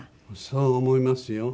そう思いますよ。